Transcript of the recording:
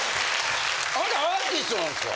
あなたアーティストなんですか？